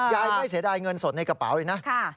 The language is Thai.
ไม่เสียดายเงินสดในกระเป๋าเลยนะ